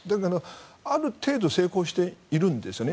ある程度成功しているんですね。